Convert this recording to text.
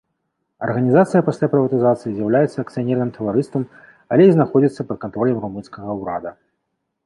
Арганізацыя пасля прыватызацыі з'яўляецца акцыянерным таварыстам, але і знаходзіцца пад кантролем румынскага ўрада.